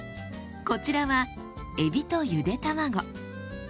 こちらはえびとゆで卵。